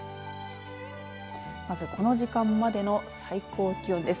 まずこの時間までの最高気温です。